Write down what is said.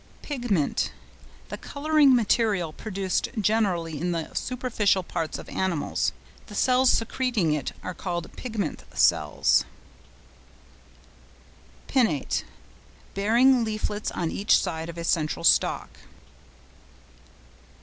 PIGMENT.—The colouring material produced generally in the superficial parts of animals. The cells secreting it are called pigment cells. PINNATE.—Bearing leaflets on each side of a central stalk.